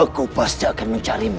aku pasti akan mencarimu